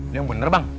ini yang bener bang